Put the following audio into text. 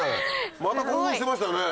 また興奮してましたね。